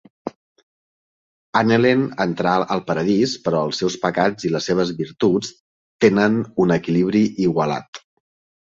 Anhelen entrar al paradís, però els seus pecats i les seves virtuts tenen un equilibri igualat.